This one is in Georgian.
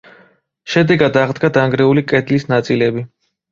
შედეგად აღდგა დანგრეული კედლის ნაწილები.